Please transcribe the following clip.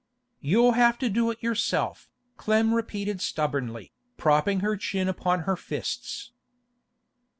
'You'll have to do it yourself,' Clem repeated stubbornly, propping her chin upon her fists.